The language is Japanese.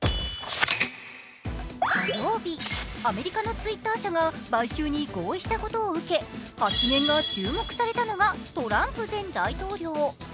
火曜日、アメリカのツイッター社が買収に成功したことを受け発言が注目されたのがトランプ前大統領。